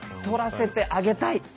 取らせてあげたい！